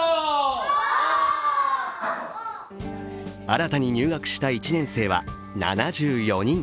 新たに入学した１年生は７４人。